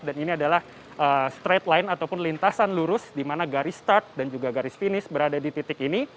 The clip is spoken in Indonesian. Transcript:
dan ini adalah straight line ataupun lintasan lurus di mana garis start dan juga garis finish berada di titik ini